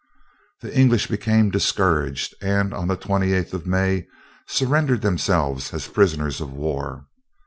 The English became discouraged, and, on the 28th of May, surrendered themselves as prisoners of war.